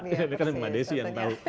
ini kan mbak desi yang tahu